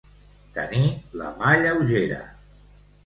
Tenir la mà lleugera.